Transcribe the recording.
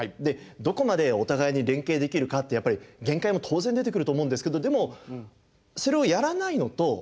でどこまでお互いに連携できるかってやっぱり限界も当然出てくると思うんですけどでもそれをやらないのと